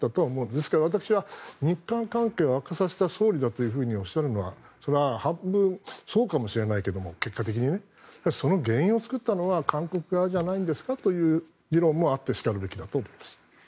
ですから私は日韓関係を悪化させた総理だとおっしゃるのはそれは結果的に半分、そうかもしれないけどその原因を作ったのは韓国側じゃないんですかという議論もあってしかるべきだと思います。